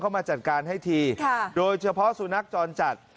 มาจัดการให้ทีโดยเฉพาะสุนัขจรจัด